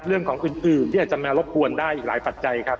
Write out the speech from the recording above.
เรื่องของอื่นที่อาจจะมารบกวนได้อีกหลายปัจจัยครับ